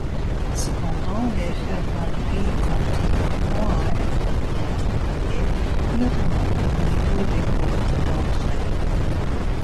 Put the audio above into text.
Cependant, les ferronneries continueront à être bien travaillées, notamment au niveau des portes d'entrée.